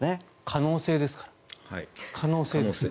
可能性ですから、可能性。